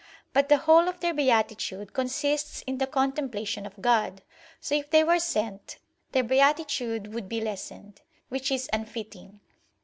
But the whole of their beatitude consists in the contemplation of God. So if they were sent, their beatitude would be lessened; which is unfitting.